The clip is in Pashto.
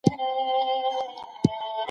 هغوی د خپلو وېښتانو په مینځلو بوخت دي.